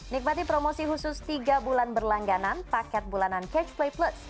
nikmati promosi khusus tiga bulan berlangganan paket bulanan catch play plus